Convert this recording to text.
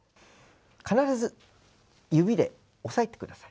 必ず指で押さえてください。